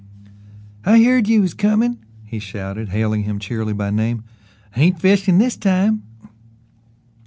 "I heard you was comin'," he shouted, hailing him cheerily by name. "Ain't fishin' this time!"